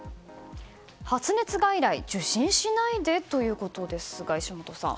発熱外来、受診しないでということですが、石本さん。